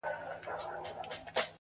لکه ښاخ د زاړه توت غټ مړوندونه؛